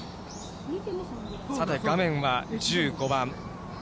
さて、画面は１５番。